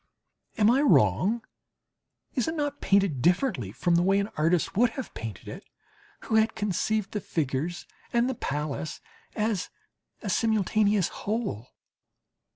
Am I wrong? Is it not painted differently from the way an artist would have painted it who had conceived the figures and the palace as a simultaneous whole?